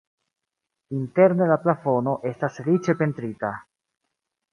Interne la plafono estas riĉe pentrita.